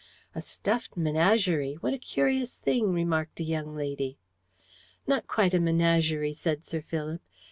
"A stuffed menagerie! What a curious thing," remarked a young lady. "Not quite a menagerie," said Sir Philip.